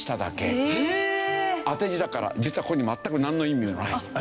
当て字だから実はここに全くなんの意味もない。